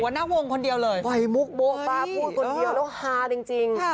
หัวหน้าวงคนเดียวเลยปล่อยมุกโบ๊ะปล่อยมุกโบ๊ะพูดคนเดียวแล้วฮารจริง